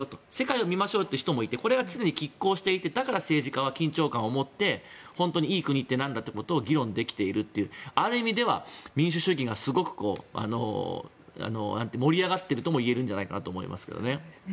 いやいや自分たちだけじゃ駄目でしょと世界を見ましょうという人もいてこれが常にきっ抗していてだから政治家は緊張感を持っていい国とは何だろうということが議論できているっていうある意味では民主主義がすごく盛り上がっているともいえるんじゃないかなとも思いますけどね。